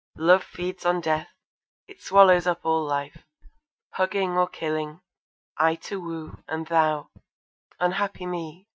Love feeds on death. It swallows up all life, Hugging, or killing. I to woo, and thou Unhappy me!